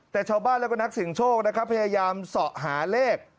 แต่ชาวบ้านแล้วก็นักเสียงโชคนะครับพยายามเสาะหาเลข